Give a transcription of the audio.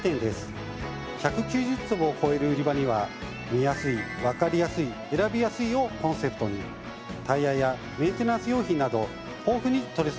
１９０坪を超える売り場には「見やすい・わかりやすい・選びやすい」をコンセプトにタイヤやメンテナンス用品など豊富に取りそろえております。